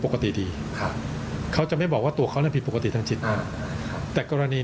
ปกติดีครับเขาจะไม่บอกว่าตัวเขานั่นผิดปกติทางจิตแต่กรณี